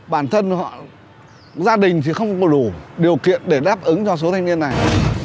bản thân họ gia đình thì không có đủ điều kiện để đáp ứng cho số thanh niên này